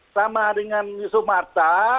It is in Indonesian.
sama dengan yusuf marta